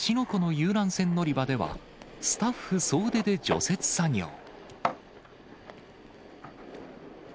湖の遊覧船乗り場では、スタッフ総出で除雪作業。